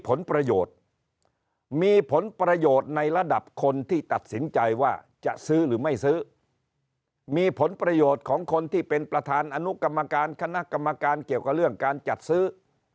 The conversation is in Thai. ผลประโยชน์มีผลประโยชน์ในระดับคนที่ตัดสินใจว่าจะซื้อหรือไม่ซื้อมีผลประโยชน์ของคนที่เป็นประธานอนุกรรมการคณะกรรมการเกี่ยวกับเรื่องการจัดซื้อ